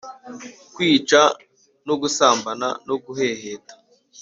kwica no gusambana no guheheta